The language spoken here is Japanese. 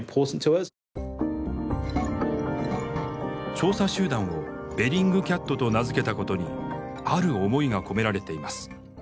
調査集団をベリングキャットと名付けたことにある思いが込められています。